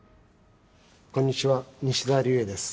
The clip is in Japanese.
こんにちは西沢立衛です。